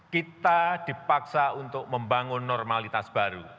kita dipaksa untuk membangun normalitas baru